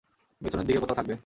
পেছনের দিকে কোথাও থাকবে।